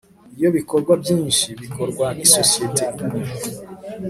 Iyo ibikorwa byinshi bikorwa n isosiyete imwe